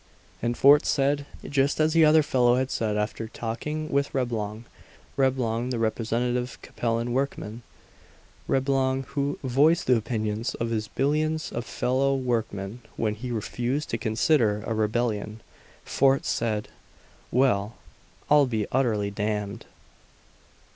And Fort said, just as the other fellow had said after talking with Reblong Reblong, the representative Capellan workman; Reblong, who voiced the opinions of his billions of fellow workmen when he refused to consider a rebellion Fort said: "Well, I'll be utterly damned!"